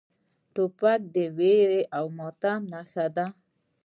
توپک د ویر او ماتم نښه ده.